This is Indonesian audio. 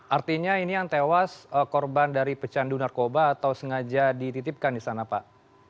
artinya ini yang tewas korban dari pecandu narkoba atau sengaja dititipkan di sana pak